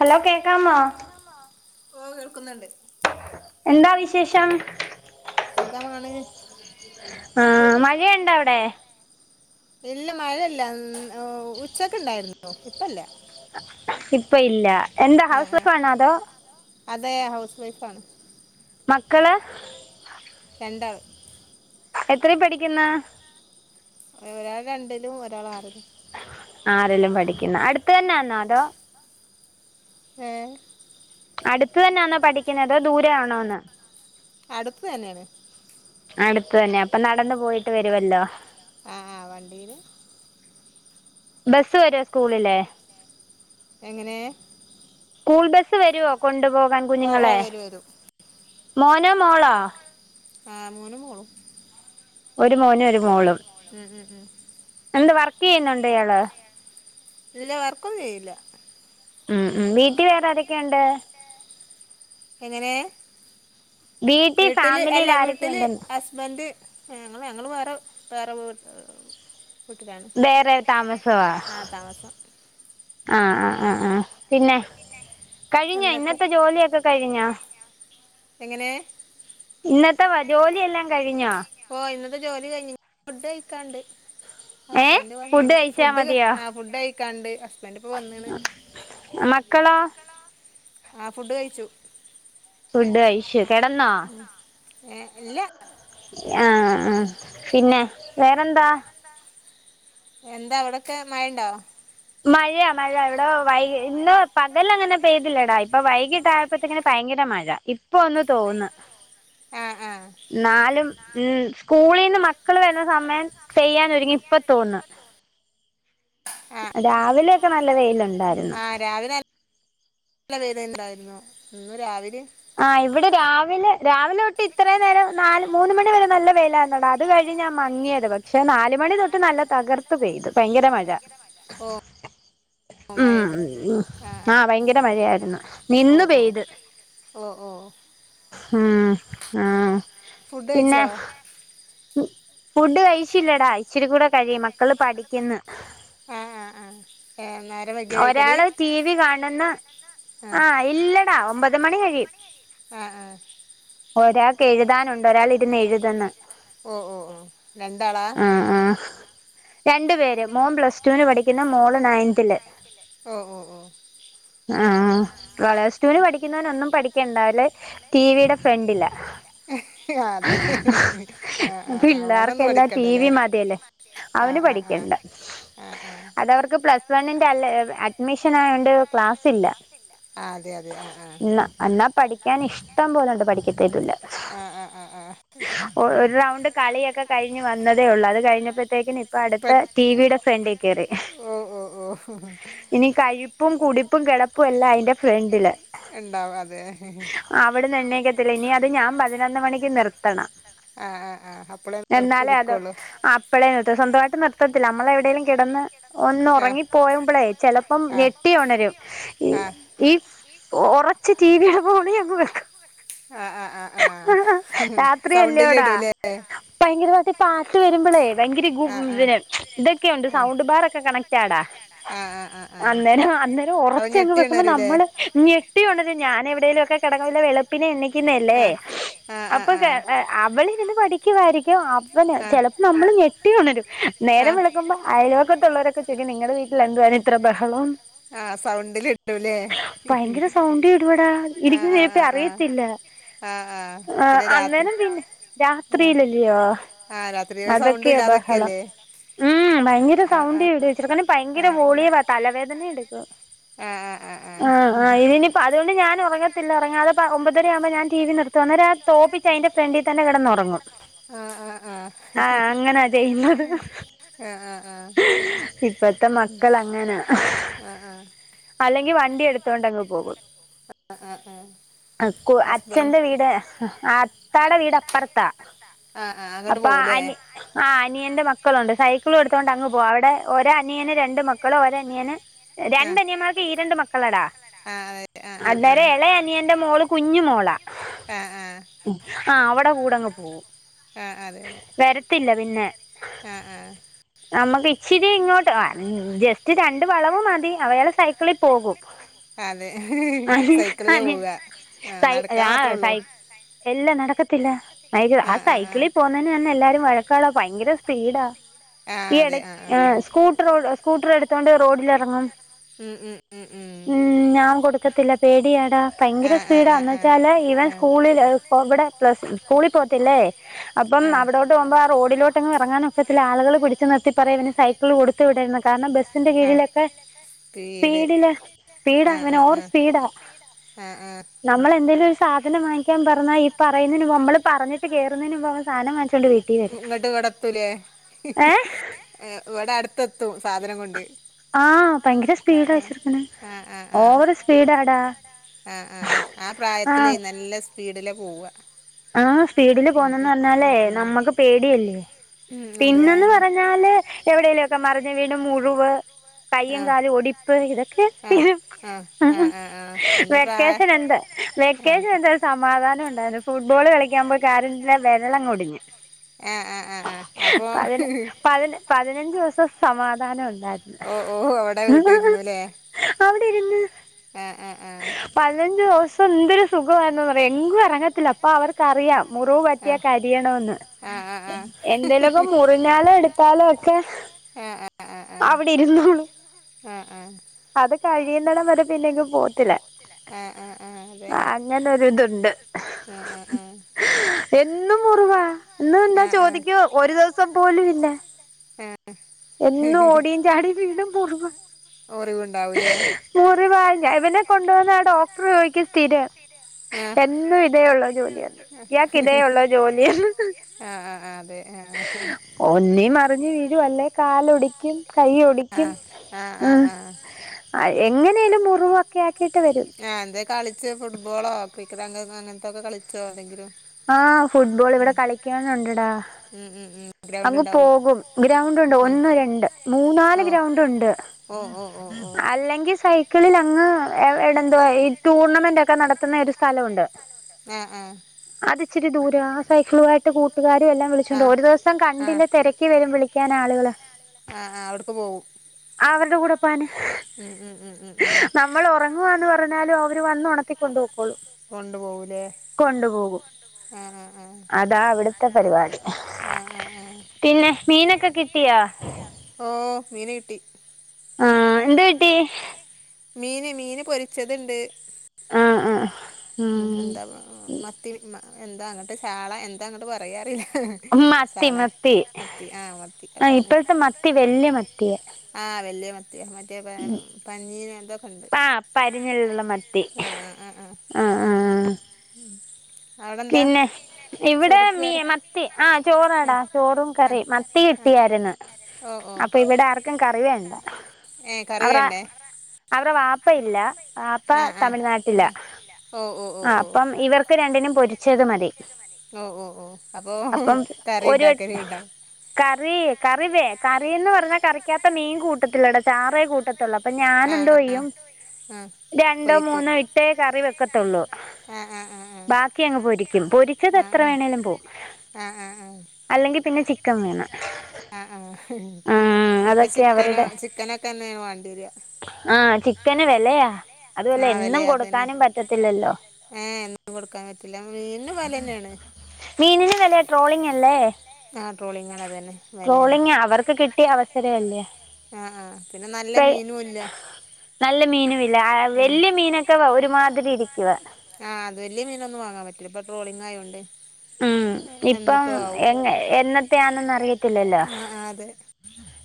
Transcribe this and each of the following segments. Hello കേക്കാമൊ? ഓ കേൾക്കുന്നുണ്ട്. എന്താ വിശേഷം? സുഖമാണ്. ആ മഴയുണ്ട അവിടെ? ഇല്ല. മഴയില്ല ഉച്ചക്ണ്ടായിരുന്നു ഇപ്പല്ല. ഇപ്പ ഇല്ല. എന്താ ഹൗസഫാണോതോ? അതെ ഹൗസ് വൈഫണ്. മക്കള് രണ്ടാള് എത്രെ പഠിക്കുന്ന ഒരാള് രണ്ടിലും ഒരാള് ആറിലും. ആരെല്ലും പഠിക്കുന്ന അടുത്ത് തന്നൊണോ അതോ? ഏ അടുത്ത്‌ തന്നെണോ പഠിക്കുന്നത് ദൂരെ ആണോന്ന്? അടുത്ത്‌ തന്നെണ്. അടുത്ത തന്നെ അപ്പൊ നടന്ന് പോയിട്ട് വരുമല്ലോ. ആ ആ വണ്ടീയില് ബസ്സ് വരോ സ്കൂളിലേ? എങ്ങനെ സ്കൂൾ ബസ്സ് വരൊ കൊണ്ട് പോകാൻ? ഓ ഓ വരും വരും ആ മോനും മോളും ഒരു മോന് ഒരു മോളും എന്ത് വർക്ക്യ്യുണണ്ട് ഇയാള് ഇല്ല വർക്കൊന്നും ചെയ്യില്ല ഉം ഉ വീട്ടി വേറെ ആരൊക്കെയുണ്ട്? എങ്ങനെ വീട്ടില് അല്ല വീട്ടില് അസ് ബന്റ് ഞങ്ങൾ ഞങ്ങൾ വേറെ പെര വേറെ താമസവാ ആഹ് ആ ആഹ് ആഹ് പിന്നെ കഴിഞ്ഞോ ഇന്നത്തെ ജോലിയൊക്കെ കഴിഞ്ഞോ? എങ്ങനെ ഇന്നത്തെവാ ജോലിയെല്ലാം കഴിഞ്ഞോ? ഓ ഇന്നത്തെ ജോലി കഴിഞ്ഞു. ഫുഡ് കഴിക്കാണ്ട് ഹസ്ബന്റ് വന്നീണ് ഫുഡ് കഴി ആ ഫുഡ് കഴിക്കാണ്ട് മക്കളോ? ആ ഫുഡ് കഴിച്ചു. ഫുഡ് കഴിച്ചു കെടന്നൊ? ആ ആ പിന്നെ വേറെന്താ? എന്താ അവിടെക്കെ മഴണ്ടോ? മഴയ മഴ ഇവിടെ വൈക ഇന്ന് പകലങ്ങനെ പെയ്തില്ലേടാ ഇപ്പൊ വൈകീട്ടയപ്പോഴത്തങ്ങനെ ഭയങ്കര മഴ. ഇപ്പൊ ഒന്ന് തോർന്ന് ന്നാലും ഉം സ്കൂളിന്ന് മക്കൾ വരുന്ന സമയം പെയ്യാൻ ഒരുങ്ങി ഇപ്പ തോർന്നു രാവിലെയൊക്കെ നല്ല വെയിലുണ്ടായിരുന്നു രാവിലെക്ക വെയില്ണ്ടായിരുന്നു ഇന്ന് രാവിലെ ആ ഇവിടെ രാവിലെ രാവിലെട്ട് ഇത്ര നേരം നാല് മൂന്ന് മണി വരെ നല്ല വെയിലായിര്ന്നട അത് കഴിഞ് ഞാൻ മങ്ങിയത് പക്ഷെ നാല് മണി തൊട്ട് നല്ല തകർത്ത് പെയ്ത് ഭയങ്കര മഴ. ഉം ആ ഭയങ്കര മഴയായിരുന്നു നിന്ന് പെയ്ത്. ഓ ഓ ഉം ആം ഫുഡ് കഴിച്ചോ? ഫുഡ് കഴിച്ചില്ലെടാ ഇച്ചിരികൂടെ കഴിയും മക്കള് പഠിക്ക്ന്ന് ഏ നേ ഒരാള് ടി വി കാണ്ന്ന് ആഹ് ഇല്ലടാ ഒമ്പത് മണി കഴിയും ആഹ് ആഹ് ഒരാക്ക് എഴുതാനുണ്ട് ഒരാള് ഇരുന്ന് എഴുത് ന്ന് ഓ ഓ ഓ രണ്ടാളാ ആഹ് ആഹ് രണ്ട് പേര് മോൻ പ്ലസ് ടുവിന് പഠിക്കുന്നു മോള് നയൻത്തില് ഓ ഓ ഓ ആഹ് ആഹ് ക്ലാ പ്ലസ് ടുവിന് പഠിക്കുന്നവന് ഒന്നും പഠിക്കണ്ട ടിവീടെ ഫ്രണ്ടിലാ പിള്ളേർക്കെല്ലാം ടി വി മതില്ലോ അവന് പഠിക്കണ്ട അതവർക്ക് പ്ലസ് വണ്ണിന്റെ അല്ലെ അഡ്മിഷനായോണ്ട് ക്ലാസില്ല ആഹ് അതെ അതെ ആഹ് ആഹ് അല്ലാ പഠിക്കാൻ ഇഷ്ടം പോലണ്ട് പഠിക്കത്തേറ്റൂല ആഹ് ആഹ് ആഹ് ആഹ് ഒരു റൗണ്ട് കളിയൊക്കെ കഴിഞ്ഞ് വന്നതേള്ളു അത് കഴിഞ്ഞപ്പോത്തേക്കിന് ഇപ്പ അട്ത്തെ ടിവീടെ ഫ്രണ്ട് കേറി ഇനി കഴിപ്പും കുടിപ്പും കെടപ്പും എല്ലാം ഐൻ്റെ ഫ്രണ്ടിലാ ഇണ്ടാവും അതെ അവിട്ന്ന് എണ്ണക്കത്തില്ല ഇനി അത് ഞാൻ പതിനൊന്ന് മണിക്ക് നിർത്തണം ആഹ് ആഹ് ആഹ് അപ്പളേ ർ നിക്കൊള്ളൂ അപ്പളെ നിർത്തു സ്വന്തായിട്ട് നിർത്തിത്തില്ല നമ്മളെവിടേലും കെടന്ന് ഒന്ന് ഒറങ്ങി പോയ്മ്പളേ ചെലപ്പം ഞെട്ടി ഒണരും ഈ ഈ ഒറച്ച ടി വീടെ ഹോളിയം അങ്ങ് വെക്കും ആഹ് ആഹ് ആഹ് ആഹ് സൗണ്ടിലിടൂലെ ഭയങ്കരായിട്ട് പാട്ട് വരുമ്പളേ ഭയങ്കര ഗു ഇതൊക്കെണ്ട് സൗണ്ട് ബാറൊക്കെ കണക്റ്റാടാ അന്നേരം അന്നേരം ഒറച്ചങ്ങ് വെക്കുമ്പം നമ്മള് ഞെട്ടിഉണരും ഞാനെവിടേലൊക്കെ കെടക്ക്ണ വെളുപ്പിനെ എണീക്ക്ന്നല്ലേ അവളിര്ന്ന് പഠിക്കുവായിരിക്കും അവന് ചെലപ്പോ നമ്മള് ഞെട്ടിയുണരും നേരം വെള്ക്കുമ്പോ അയൽപക്കത്തുള്ളോരൊക്കെ ചോയ്ക്കും നിങ്ങളെ വീട്ടില് എന്തുവായിരുന്നു ഇത്ര ബഹളം ആഹ് സൗണ്ടിലിട്ടൂലെ ആഹ് ആഹ് ആഹ് ആഹ് ആഹ് പിന്നെ അന്നേരം പിന്നെ രാത്രിയിലല്ലയോ അതൊക്കെ ബഹളം ഉം ഭയങ്കര സൗണ്ടി ഇടും ചെർക്കന് ഭയങ്കര വോളിയവാ തലവേദന എടുക്കും ആഹ് ആഹ് ഇതിന് അപ്പം അതോണ്ട് ഞാൻ ഒറങ്ങത്തില്ല ഒറങ്ങാതെ ഒമ്പതരാവുമ്പം ഞാൻ ടി വി നിർത്തും അന്നേരാ തോപ്പിച്ച് ഐന്റെ ഫ്രണ്ടീ തന്നെ കെടന്നൊറങ്ങും ആഹ് ആഹ് ആഹ് അങ്ങനാ ചെയ്യുന്നത് ഇപ്പത്തെ മക്കളങ്ങനാ ആഹ് ആഹ് അല്ലങ്കി വണ്ടി എടുത്തോണ്ടങ്ങ് പോകും അക്കു അച്ഛൻ്റെ വീട് അത്താടെ വീട് അപ്പറത്താ അപ്പാ അനി ആഹ് അനിയന്റെ മക്കള്ണ്ട് സൈക്കിള് ഇട്ത്തോണ്ടങ്ങ് പോവും അവിടെ ഒരനിയന് രണ്ടു മക്കളും ഒരനിയന് രണ്ടനിയന്മാർക്കും ഈരണ്ട് മക്കളാടാ ആഹ് അതെ അന്നേരം എളെ അനിയന്റെ മോള് കുഞ്ഞ് മോളാ ആഹ് ആഹ് ആഹ് അവിടെ കൂടെങ്ങ് പോകവും വരത്തില്ല പിന്നെ ഏഹ് നമ്മുക്ക് ഇച്ചിരി ഇങ്ങോട്ട് ജസ്റ്റ് രണ്ട് വളവും മതി അവയാള സൈക്കിളിൽ പോകും അതെ അ അ സൈ ആ സൈ എല്ലാ നടക്കത്തില്ല ആഹ് സൈക്കിളി പോ അെ എല്ലാരും വഴക്ക ഭയങ്കര സ്പീഡ ഈട സ്കൂട്ടറോ സ്കൂട്ടർ എടുത്തോണ്ട് റോഡിൽിറങ്ങും ഉം ഞാൻ കൊടു പത്തത്തില്ല പേടിയടാ ഭയങ്കര സ്പീഡാന്ന് ചല ഇവൻ സ്കൂളിൽ ഇവിടെ പ്ലസ് സ്കൂളിൽ പോത്തില്ലേ അപ്പം അവിഡോട്ട് പോകുമ്പോ ആ റോഡിലോട്ട്ങ്റങ്ങാനൊ ഒത്തിത്തില് ആളുകള് കുടിച്ച് നിർത്തി പറയും പിന്നെ സൈ കൊടുത്ത വിടരുന്നു കാരണം ബസ്സിന്റെ കീഴിലൊക്കെ സ്പീഡില് സ്പീഡ അങ്ങനെ ഓർ പീട [inaudible] ആഹ് ആഹ് നമ്മളെന്തെലും ഒരു സാധനം വാങ്ങിക്കാ പറാ ഈ പറയുന്നതിന് നമ്മള് പറഞ്ഞിട്ട് കേറുന്നതിനന്മ്പ അവ സാധന വാങ്ങിച്ചുകോണ്ട് വീ ഇങ്ങട്ട് ഇവിടെ എത്തൂലേ ഇവിടെ അടുത്തെ എത്തും സാധനം കൊണ്ട് ആഹ് ഭയങ്കര സ്പീഡ വച്ചിരിക്കണ് ഓവറ് സ്പീഡാടാ ആഹ് ആ ആ പ്രായത്തിലേ നല്ല സ്പീഡിലെ പോവുവ ആ സ്പീഡില് പോവുന്നെന്ന് പറഞ്ഞാലേ നമ്മുക്ക് പേടിയല്ലേ? പിന്നന്ന് പറഞ്ഞാല് എവിടെലും ഒക്കെ മറിഞ്ഞ് വീണ് മുറിവ് കൈയും കാലും ഒടിപ്പ് ഇതൊക്കെ പിന്ന വെക്കേഷൻ എന്താ വെക്കേഷൻ എന്താ സമാധാനം ഉണ്ടായിരുന്നു ഫുട്ബോള് കളിക്കാൻ പോയി കാലിൻ്റെ വിരലങ്ങോടിഞ്ഞ് ഏഹ് ആഹ് ആഹ് ആ അപ്പൊ പതിനഞ്ച് ദിവസം സമാധാനം ഉണ്ടായിരുന്നു അവിടെരുന്ന് ആഹ് ആ ആ പതിനഞ്ച് ദിവസം എന്തൊരു സുഖവാരുന്നെന്നറിയുവോ എങ്ങും ഇറങ്ങത്തില്ല അപ്പൊ അവർക്കറിയാം മുറിവ് പറ്റിയ കരിയണന്ന് എന്തേലുവക്ക മുറിഞ്ഞാലും എടു ത്താലുവൊക്കെ അവിടെ ഇരുന്നോളും അത് കഴിയുന്നടംവരെ പിന്നെങ്ങും പോവത്തില്ല ആഹ് ആ ആ അതേ അങ്ങനൊരിതുണ്ട് ആ ആ ആ എന്നും മുറിവാ എന്നും എന്താ ചോദിക്ക ഒരു ദിവസം പോലും ഇല്ല ആഹ് എന്നും ഓടിയും ചാടിയും വീണ്ടും മുറിവാ മുറിവുണ്ടാവൂലേ? മുറിവാ ഞാൻ ഇവനെ കൊണ്ടു പോവുന്ന ആ ഡോക്ടർ ചോദിക്കും സ്ഥിരം എന്നും ഇത് തുള്ളോ ജോലിയാന്ന്, ഇയാൾക്ക് ഇതേ ഉള്ളോ ജോലിയാന്ന് ഒന്നീ മറിഞ്ഞ് വീഴും അല്ലേ കാലൊടി ക്കും കൈ ഒടിക്കും ഉം ആ എങ്ങനേലും മുറിവൊക്കെ ആക്കിയിട്ട് വരും ആഹ് എന്തേ കളിച്ച് ഫുട്ബോളോ ക്രിക്കറ്റോ അങ്ങനെ അങ്ങനന്തൊക്കെ കളിച്ചോ? ഏതെങ്കിലും ആഹ് ഫുട്ബോൾ ഇവിടെ കളിക്കാനുണ്ടെടാ ഉം ഉം ഉം അങ്ങ് പോകും ഗ്രൗണ്ട് ഉണ്ട് ഒന്ന് രണ്ട് മൂന്നാല് ഗ്രൗണ്ട് ഉണ്ട് അല്ലെങ്കിൽ സൈ ക്കിളില് അങ്ങ് അവിടെന്താ ഈ ടൂർണമെന്റ് ഒക്കെ നടത്തുന്ന ഒരു സ്ഥലമുണ്ട് ആഹ് ആ അത് ഇച്ചിരി ദൂരവാ ആ സൈക്കിളുവായിട്ട് കൂട്ടുകാരും എല്ലാം വിളിച്ചോണ്ട് ഒരു ദിവസം കണ്ടില്ല തിരക്ക ക്കി വരും വിളിക്കാനാളുകള് ആ ആ അവിടക്ക് പോവും അവരുടെ കൂടെ പോവാന് ഉം ഉം ഉം ഉം ഉം നമ്മള് ഉറങ്ങുവാന്ന് പറഞ്ഞാലും അവര് വന്ന് ഉണത്തി കൊണ്ട് പൊക്കോളും പോവുലെ? കൊണ്ടുപോകും അതാ അവിടുത്തെ പരിപാടി ആഹ് ആഹ് ആഹ് പിന്നെ മീനൊക്കെ കിട്ടിയാ? ഓ മീന് കിട്ടി ആഹ് എന്ത് കിട്ടി? മീന് മീന് പൊരിച്ചത്ണ്ട് ആഹ് ആ ആ ഉം എന്താ മ മ മത്തി മ എന്താ അങ്ങട്ട് ചാള എന്താ അങ്ങട്ട് പറയാറില്ല മത്തി മത്തി ആ ഇപ്പോഴത്തെ മത്തി വല്യ മത്തിയാ ആഹ് വലിയ മത്തിയാ മറ്റേ പഞ്ഞിന് അതൊക്കെ ഉണ്ട് ആ പരിഞ്ഞലുള്ള മത്തി ആഹ് ഹ് ഹ് പിന്നെ ഇവിടെ മീ മത്തി ആ ചോറാടാ ചോറും കറി മത്തി കിട്ടിയായിരുന്നു അപ്പൊ ഇവിടെ ആർക്കും കറി വേണ്ട ഏഹ് കറിവെണ്ടേ അവടെ വാപ്പ ഇല്ല വാപ്പ തമിഴ്നാട്ടില ആഹ് അപ്പം ഇവർക്ക് രണ്ടിനും പൊരിച്ചത് മതി ഓ ഓ ഓ അപ്പൊ കറി ഉണ്ടാക്കനണ്ട കറീ കറിവേ കറിന്ന് പറഞ്ഞാൽ കറിക്കാത്ത മീൻ കൂട്ടത്തിടാ ചാറേ കൂട്ടത്തുള്ള അപ്പൊ ഞാനുന്തോയ്യും രണ്ടോ മൂന്നോ ഇട്ടേ കറി വെക്ക തോള്ളൂ ബാക്കി അങ്ങ് പൊരിക്കും പൊരിച്ചത് എത്ര വേണേങ്കിലും പോകും ആഹ് ആഹ് ആഹ് അല്ലെങ്കിൽ പിന്നെ ചിക്കൻ വെണം ആ ആ ഇപ്പൊ ചിക്കന ചിക്കനൊക്കെന്നാണ് വേണ്ടി വരിക ആഹ് ചിക്കന് വെലയാ അതുമല്ലെ എന്നും കൊടുക്കാനും പറ്റത്തില്ലല്ലോ ഏ എന്നും കൊടുക്കാൻ പറ്റില്ല മീന്നും വെല ന്നെയാണ് മീനിന് വില ട്രോളിങ്ങ ആഹ ട്രോളിംഗ ആണ് അത് തന്നെ ട്രോളിങാ അവർക്ക് കിട്ടിയ അവസരല്ലേ വെയ് നല്ല മീനല്ല വലിയ മീനൊ ക്കെ ഒരു മാതിരി ഇരിക്കുക ആഹ് അത് വല്യ മീനൊന്നും വാങ്ങാൻ പറ്റില്ല ഇപ്പ ട്രോളിങ് ആയോണ്ട് ഉം ഇപ്പം എ എന്നത്തെയ ആണന്നറിയത്തില്ലല്ലോ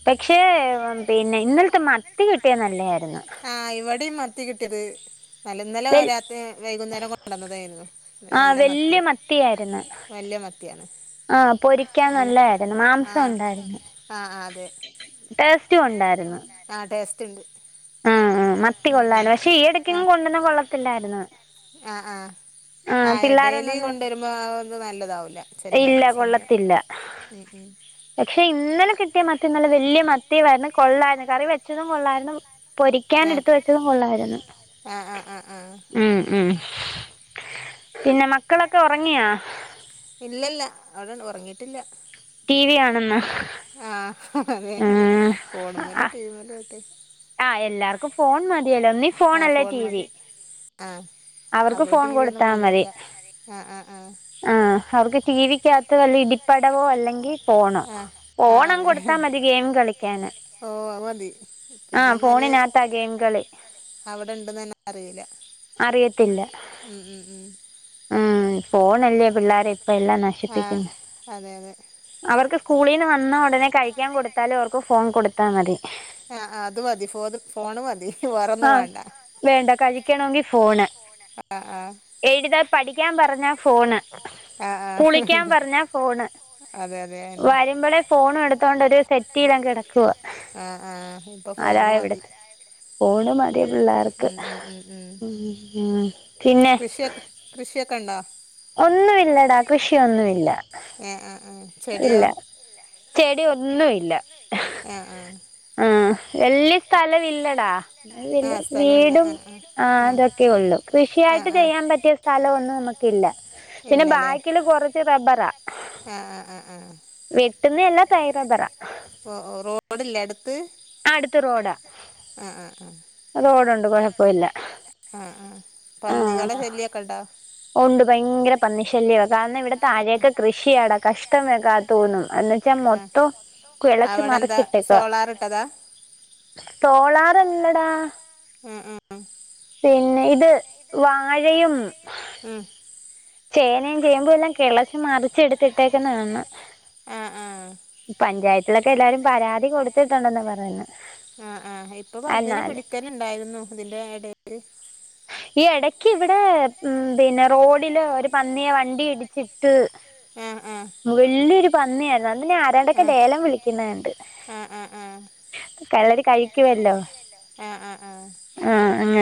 പക്ഷെ പിന്നെ ഇന്നലത്തെ മത്തി കിട്ടിയ നല്ലതായിരുന്നു ആഹ് ഇവിടെയും മത്തി കിട്ട്യത് നലന്നല വരാത് വൈകുന്നേരം കൊണ്ടുവന്നതായിരുന്നു പിന്നെ നല്ല മത്തിയ വല്ല്യ മത്തിയാണ് ആഹ് പൊരിക്കാൻ നല്ലതായിരുന്നു മാംസം ഉണ്ടായിരുന്നു ടേസ്റ്റും ഉണ്ടായിരുന്നു ആഹ് ടേസ്റ്റ് ഉണ്ട് ആഹ് ആഹ് മത്തി കൊള്ളായിരുന്നു പക്ഷെ ഈയടക്കും കൊണ്ടന്ന കൊള്ളത്തില്ലായിരുന്നു ആഹ് ആഹ് ആ ഇടേൽ കൊണ്ടുവരുമ്പോത് നല്ലതാവൂല ചെല സമയം [unintelligible] പക്ഷെ ഇന്നലെ കിട്ടിയ മത്തി നല്ല വലിയ മത്തി ആയിരുന്നു കൊള്ളായിരുന്നു കറി വെച്ചതും കൊള്ളായിരുന്നു പൊരിക്കാൻ എടുത്ത്‌ വെച്ചതും കൊള്ളായിരുന്നു ഉം.. ഉം.. പിന്നെ മക്കളൊക്കെ ഉറങ്ങിയാ? ഇല്ലില്ല അവിടൊണ്ട് ഉറങ്ങിട്ടില്ല ടി വി കാണുന്നു ആഹ് അതെ ഫോണിമെലോ ടിവിമെലോ ഒക്കെ ആഹ് എല്ലാർക്കും ഫോൺ മതിയല്ലോ ഒന്നീ ഫോൺ അല്ലേൽ ടി വി ആ അപ്പൊ ടി വി ഒന്നും വേണ്ടി വരില്ല ആഹ് ആഹ് ആഹ് ആഹ് അവർക്ക് ടി വി ക്ക അകത്ത് വല്ല ഇടിപ്പടവോ അല്ലെങ്കിൽ ഫോണോ ഫോൺ അങ്ങ് കൊടുത്താൽ മതി ഗെയിം കളിക്കാന് ഓ അമതി പിന്നെന്നാല് അവിടെ ഇണ്ടന്ന് തന്നെ അറിയില്ല ഉം ഉം ഉം ഉം ഫോണല്ലേ പിള്ളേരെ ഇപ്പ എല്ലാം നശിപ്പിക്കുന്നേ അവർക്ക് സ്കൂളീന്ന് വന്ന ഉടനെ കഴിക്കാൻ കൊടുത്താലും അവർക്ക് ഫോൺ കൊടുത്താൽ മതി ആ ആ അത് മതി ഫോത് ഫോണ് മതി വെറൊന്നും വേണ്ട വേണ്ട കഴിക്കണോങ്കി ഫോണ് ആഹ് ആഹ് എഴ്താൻ പഠിക്കാം പറഞ്ഞാ ഫോണ് കുളിക്കാം പറഞ്ഞാ ഫോണ് വരുമ്പളേ ഫോണും എട്ത്തോണ്ടാെര് സെറ്റിയിലങ്ങ് കെടെക്കുവാ ആഹ് ആഹ് ആരാ എവിട്ത്ത് ഫാേണ് മതി പിള്ളാര്ക്ക് ഉം കൃഷിയൊക്കെ കൃഷിയൊക്കെണ്ടോ? ഒന്നുവില്ലെടാ കൃഷിയൊന്നുവില്ലാ ഏഹ് ആഹ് ആഹ് ഇല്ലാ ചെടി ഒന്നും ഇല്ലാ ആഹ് ആഹ് ആഹ് വെല്യെ സ്ഥലംവില്ലെടാ ന്നില്ല വീടും ആ തൊക്കെയുള്ളൂ കൃഷിയായിട്ട് ചെയ്യാൻ പറ്റിയ സ്ഥലവൊന്നും നമക്കില്ല പിന്നെ ബാക്കില് കാെറെച്ച് റബ്ബറാ ആഹ് ആഹ് ആഹ് ആഹ് വെട്ട്ന്നെ അല്ലാ തൈ റബ്ബറാ ഓഹ് ഓഹ് റോഡില്ലേ അട്ത്ത് ആഹ് അട്ത്ത് റോഡാ ആഹ് ആഹ് ആഹ് റോഡുണ്ട് കൊഴപ്പവില്ലാ ആഹ് ആഹ് പന്നികളെ ശല്യാെക്കെണ്ടാ? ഒണ്ട് ഭയെങ്കെര പന്നിശല്യാ കാരണം ഇവിടെ താഴെയെക്കെ കൃഷിയാടാ കഷ് ട്ടം വെക്കാ തോന്നും എന്ന്‌വെച്ചാ മൊത്തോം കെളെച്ച് മറിച്ചിട്ടേക്കുവാ സോളാറെല്ലടാ ഉം ഉം ഉം പിന്നെ ഇത് വാഴയും ചേനയും ചേമ്പും എല്ലാം കിളച്ച് മറിച്ചെട്ത്തിട്ടേക്ക്ന്നെ കാൺണം പഞ്ചായത്തിലൊക്കെ എല്ലാരും പരാതി കൊടുത്തിട്ടുണ്ടെന്നാ പറയ്ന്നേ ആഹ് ഇപ്പൊ പന്നിനെ പിടിക്കല് ണ്ടായിരുന്നു ഇതിന്റെ എടേല് ഈ എടെക്കിവിടെ ഉം പിന്നെ റോഡില് ഒര് പന്നിയെ വണ്ടി ഇടിച്ചിട്ട് വല്ല്യൊരു പന്നിയായിര്ന്നു അതിനെ ആരാണ്ടെക്കെ ലേലം വിളിക്ക്ന്നെ കണ്ട് കള്ളേര് കഴിക്കുവല്ലോ ആഹ് അങ്ങനെ